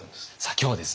今日はですね